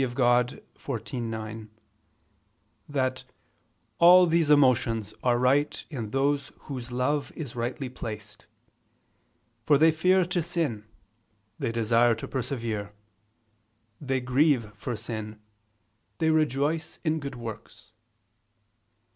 Dei xiv, 9) that "all these emotions are right in those whose love is rightly placed ... For they fear to sin, they desire to persevere; they grieve for sin, they rejoice in good works."